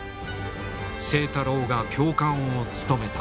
清太郎が教官を務めた。